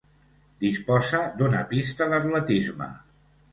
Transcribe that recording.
Disposa d'una pista d'atletisme.